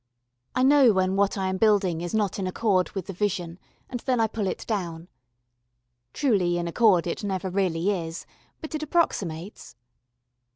I know when what I am building is not in accord with the vision, and then I pull it down. Truly in accord it never really is, but it approximates.